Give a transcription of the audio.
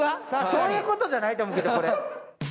そういうことじゃないと思うけど、これ。